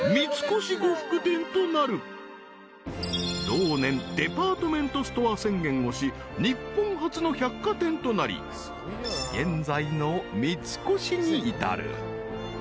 ［同年デパートメントストア宣言をし日本初の百貨店となり現在の三越に至る］